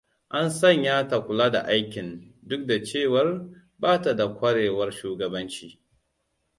An sanya ta kula da aikin, duk da cewar ba ta da kwarewar shugabanci.